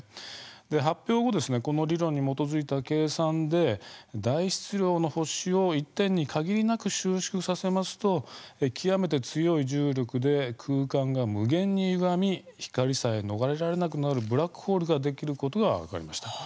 発表後この理論に基づいた計算で大質量の星を一点に限りなく収縮させますと極めて強い重力で空間が無限にゆがみ光さえ逃れられなくなるブラックホールができることが分かりました。